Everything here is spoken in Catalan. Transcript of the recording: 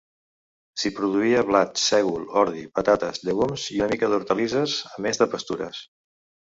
S'hi produïa blat, sègol, ordi, patates, llegums, i una mica d'hortalisses, a més de pastures.